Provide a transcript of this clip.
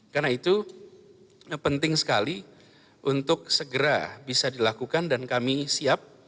karena itu penting sekali untuk segera bisa dilakukan dan kami siap